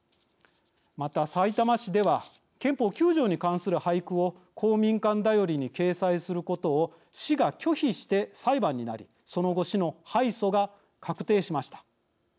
また、さいたま市では憲法９条に関する俳句を公民館だよりに掲載することを市が拒否して裁判になりその後市の敗訴が確定しました。